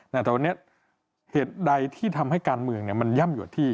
แต่วันนี้เหตุใดที่ทำให้การเมืองมันย่ำอยู่ที่